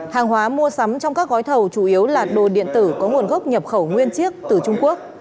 hàng hóa mua sắm trong các gói thầu chủ yếu là đồ điện tử có nguồn gốc nhập khẩu nguyên chiếc từ trung quốc